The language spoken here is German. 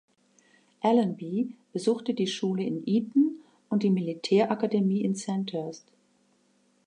Allenby besuchte die Schule in Eton und die Militärakademie in Sandhurst.